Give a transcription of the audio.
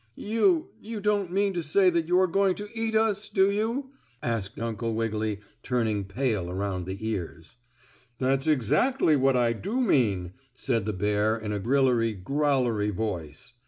"You you don't mean to say that you are going to eat us, do you?" asked Uncle Wiggily, turning pale around the ears. "That's exactly what I do mean," said the bear in a grillery growlery voice.